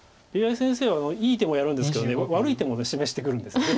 ＡＩ先生はいい手もやるんですけど悪い手も示してくるんですよね。